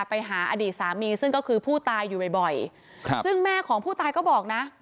ไปหาอดีตสามีซึ่งก็คือผู้ตายอยู่บ่อยบ่อยครับซึ่งแม่ของผู้ตายก็บอกนะ